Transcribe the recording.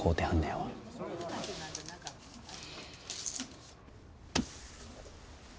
はい。